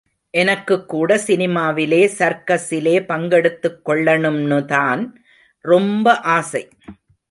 எனக்குக்கூட சினிமாவிலே, சர்க்கஸிலே பங்கெடுத்துக் கொள்ளணும்னுதான் ரொம்ப ஆசை.